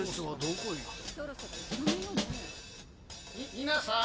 ・み皆さん